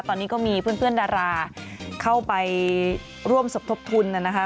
ตอนนี้ก็มีเพื่อนดาราเข้าไปร่วมสมทบทุนนะคะ